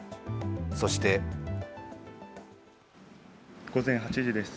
そして午前８時です。